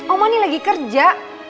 oma ini lagi kerja